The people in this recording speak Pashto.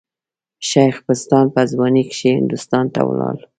شېخ بستان په ځوانۍ کښي هندوستان ته ولاړ.